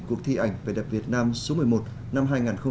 cuộc thi ảnh về đặc việt nam số một mươi một năm hai nghìn một mươi bảy